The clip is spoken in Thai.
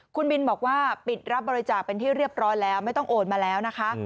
คุณบินบอกว่าปิดรับบริจาคเป็นที่เรียบร้อยแล้วไม่ต้องโอนมาแล้วนะคะ